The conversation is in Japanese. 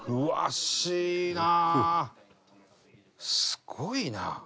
すごいな。